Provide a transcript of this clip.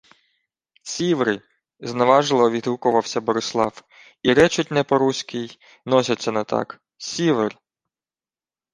— Сіври! — зневажливо відгукувався Борислав. — І речуть не по-руськи, й носяться не так. Сіверь!